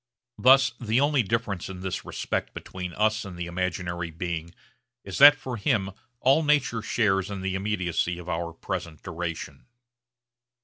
Thus the only difference in this respect between us and the imaginary being is that for him all nature shares in the immediacy of our present duration.